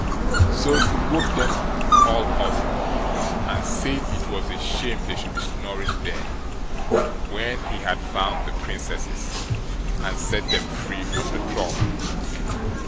So he woke them all up, and said it was a shame they should be snoring there, when he had found the Princesses, and set them free from the Troll.